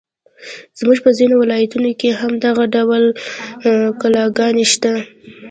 زموږ په ځینو ولایتونو کې هم دغه ډول کلاګانې شته.